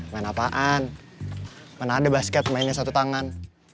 main apaan pernah ada basket mainnya satu tangan